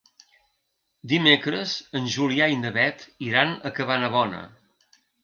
Dimecres en Julià i na Beth iran a Cabanabona.